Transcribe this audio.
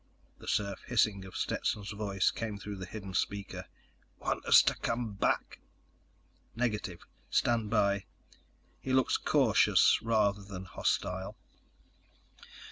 _ The surf hissing of Stetson's voice came through the hidden speaker: "Want us to come back?" _"Negative. Stand by. He looks cautious rather than hostile."